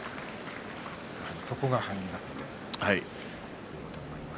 そこが敗因だったということになります。